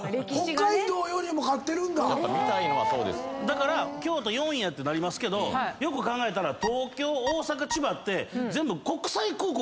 だから京都４位やってなりますけどよく考えたら東京大阪千葉って全部。